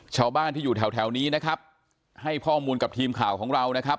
ชาวบ้านที่อยู่แถวแถวนี้นะครับให้ข้อมูลกับทีมข่าวของเรานะครับ